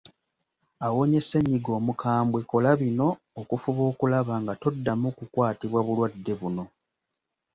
Awonye Ssennyiga omukambwe kola bino okufuba okulaba nga toddamu kukwatibwa bulwadde buno.